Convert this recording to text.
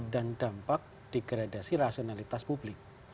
dan dampak degradasi rasionalitas publik